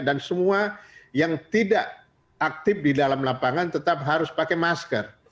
semua yang tidak aktif di dalam lapangan tetap harus pakai masker